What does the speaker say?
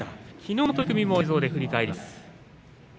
きのうの取組も映像で振り返ります。